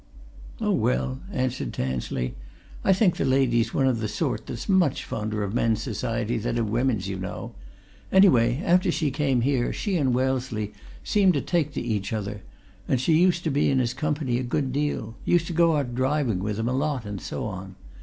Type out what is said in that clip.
"Oh, well," answered Tansley, "I think the lady's one of the sort that's much fonder of men's society than of women's, you know. Anyway, after she came here, she and Wellesley seemed to take to each other, and she used to be in his company a good deal used to go out driving with him, a lot, and so on.